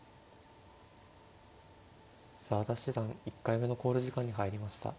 澤田七段１回目の考慮時間に入りました。